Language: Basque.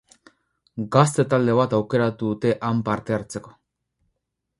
Gazte talde bat aukeratu dute han parte hartzeko.